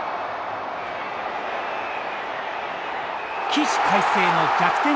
起死回生の逆転